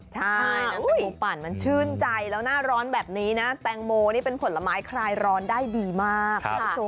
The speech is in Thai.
น้ำแตงโมปั่นมันชื่นใจแล้วหน้าร้อนแบบนี้นะแตงโมเป็นผลไม้คลายร้อนได้ดีมาก